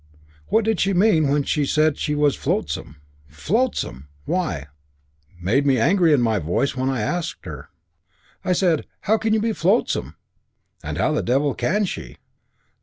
What did she mean when she said she was flotsam? Flotsam! Why? Made me angry in my voice when I asked her. I said, 'How can you be flotsam?' And how the devil can she?